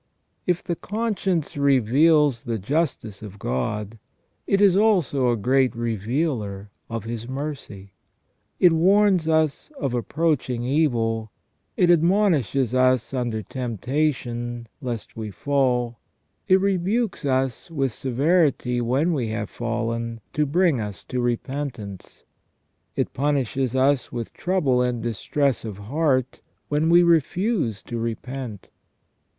If the conscience reveals the justice of God it is also a great revealer of His mercy ; it warns us of approaching evil ; it ad monishes us under temptation, lest we fall ; it rebukes us with severity when we have fallen, to bring us to repentance ; it punishes us with trouble and distress of heart when we refuse to repent.